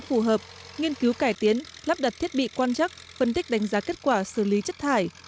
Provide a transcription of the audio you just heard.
phù hợp nghiên cứu cải tiến lắp đặt thiết bị quan chắc phân tích đánh giá kết quả xử lý chất thải